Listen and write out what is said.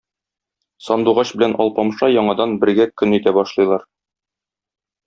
Сандугач белән Алпамша яңадан бергә көн итә башлыйлар.